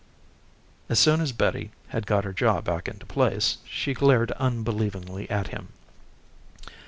As soon as Betty had got her jaw back into place, she glared unbelievingly at him.